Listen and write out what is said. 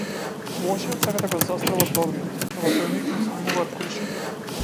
Лошиот сака да го застрела добриот, но во тој миг му снемуваат куршуми.